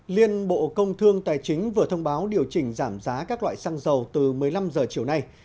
liên bộ công thương tài chính vừa thông báo điều chỉnh giảm giá các loại xăng dầu từ một mươi năm h chiều nay